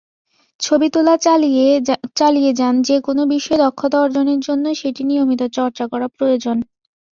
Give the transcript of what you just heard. ছবি তোলা চালিয়ে যানযেকোনো বিষয়ে দক্ষতা অর্জনের জন্য সেটি নিয়মিত চর্চা করা প্রয়োজন।